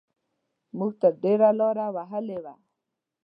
موږ تر ډېره لاره وهلې وه.